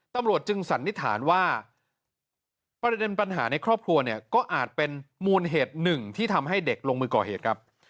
ตำรวจจึงสันนิษฐานว่าประเด็นปัญหาในครอบครัวเนี่ยก็อาจเป็นมูลเหตุหนึ่งที่ทำให้เด็กลงมือก่อเหตุครับ